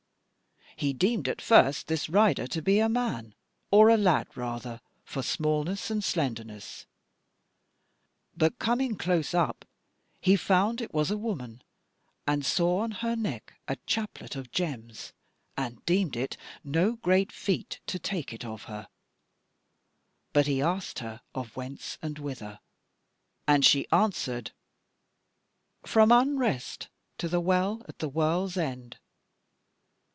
He deemed at first this rider to be a man, or a lad rather for smallness and slenderness, but coming close up he found it was a woman, and saw on her neck a chaplet of gems, and deemed it no great feat to take it of her: but he asked her of whence and whither, and she answered: "'From unrest to the Well at the World's End.'